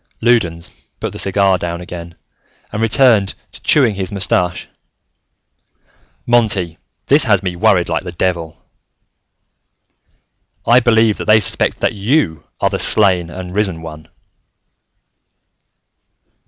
Loudons put the cigar down again and returned to chewing his mustache. "Monty, this has me worried like the devil: "I believe that they suspect that you are the Slain and Risen One!"